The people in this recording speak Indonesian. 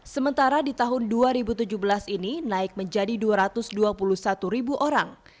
sementara di tahun dua ribu tujuh belas ini naik menjadi dua ratus dua puluh satu ribu orang